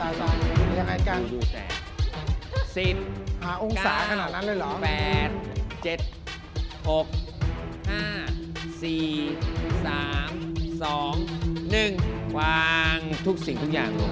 หาองศาขนาดนั้นเลยเหรอ